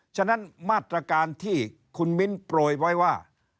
ฉะนั้นมาตรการที่คุณมิ้นโปรยไว้ว่า